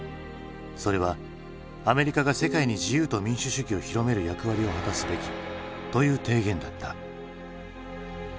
それは「アメリカが世界に自由と民主主義を広める役割を果たすべき」という提言だった。